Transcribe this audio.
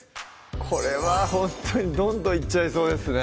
これはほんとにどんどんいっちゃいそうですね